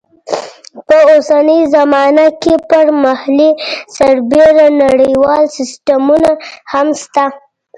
په اوسنۍ زمانه کې پر محلي سربېره نړیوال سیسټمونه هم شته.